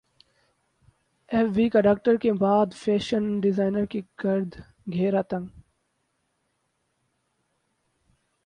F B کا doctors کے بعد فیشن ڈیزائنرز کے گرد گھیرا تنگ